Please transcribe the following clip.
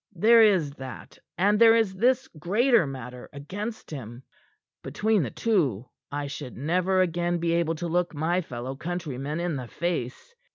There is that, and there is this greater matter against him. Between the two, I should never again be able to look my fellow countrymen in the face.